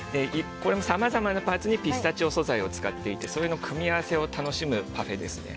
さまざまなパーツにピスタチオ素材を使っていてそれの組み合わせを楽しむパフェですね。